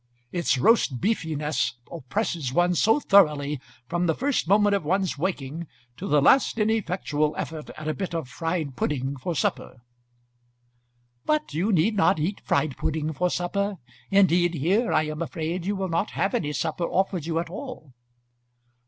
Its roast beefiness oppresses one so thoroughly from the first moment of one's waking, to the last ineffectual effort at a bit of fried pudding for supper!" "But you need not eat fried pudding for supper. Indeed, here, I am afraid, you will not have any supper offered you at all."